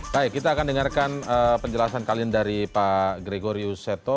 baik kita akan dengarkan penjelasan kalian dari pak gregorius seto